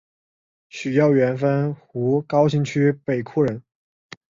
许耀元汾湖高新区北厍人。